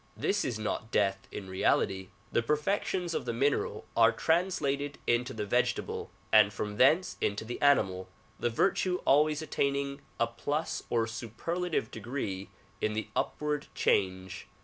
This is not death in reality. The perfections of the mineral are translated into the vegetable and from thence into the animal, the virtue always attaining a plus or superlative degree in the upward change.